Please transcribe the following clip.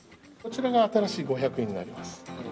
こちらが新しい５００円になります。